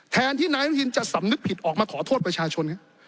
แทนที่นายอนุทินจะสำนึกผิดออกมาขอโทษประชาชน